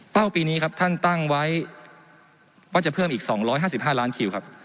ปีนี้ครับท่านตั้งไว้ว่าจะเพิ่มอีก๒๕๕ล้านคิวครับ